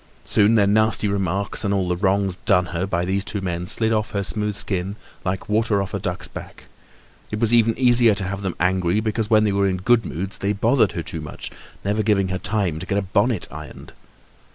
Soon their nasty remarks and all the wrongs done her by these two men slid off her smooth skin like water off a duck's back. It was even easier to have them angry, because when they were in good moods they bothered her too much, never giving her time to get a bonnet ironed.